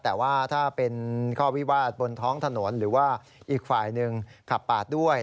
แต่ว่าถ้าเป็นข้อวิวาสบนท้องถนนหรือว่าอีกฝ่ายหนึ่งขับปาดด้วย